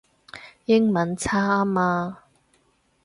英文差吖嘛